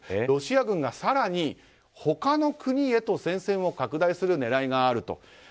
ロシア軍が更に他の国へと戦線を拡大する狙いがあると。